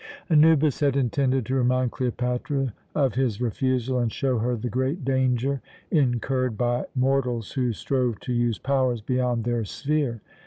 Anubis had intended to remind Cleopatra of his refusal, and show her the great danger incurred by mortals who strove to use powers beyond their sphere.